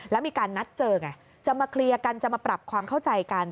แล้วมีการนัดเจอไงจะมาเคลียร์กันจะมาปรับความเข้าใจกัน